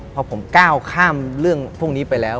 พอผมก้าวข้ามเรื่องพวกนี้ไปแล้ว